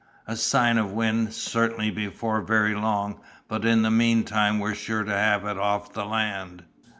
A sign of wind, certainly, before very long; but in the meantime we're sure to have it off the land.